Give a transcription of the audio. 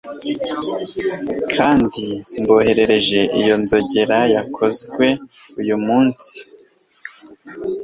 kandi mboherereje, iyi nzogera yakozwe uyumunsi